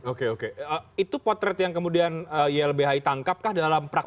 oke oke itu potret yang kemudian ylbhi tangkapkah dalam praktik